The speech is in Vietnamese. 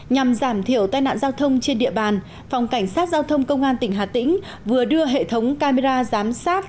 nhằm giảm thiểu tai nạn giao thông trên địa bàn phòng cảnh sát giao thông công an tỉnh hà tĩnh vừa đưa hệ thống camera giám sát